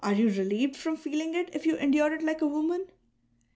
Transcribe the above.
you relieved from feeling it, if you endure it like a woman